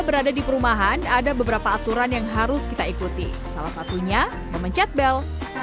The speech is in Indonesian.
berada di perumahan ada beberapa aturan yang harus kita ikuti salah satunya memencet bel